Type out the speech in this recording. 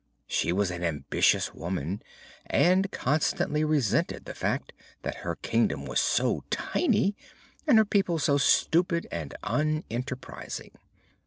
She was an ambitious woman and constantly resented the fact that her kingdom was so tiny and her people so stupid and unenterprising.